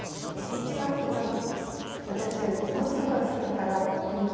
知ってますけど私よりもっと詳しい方が今いらしてます。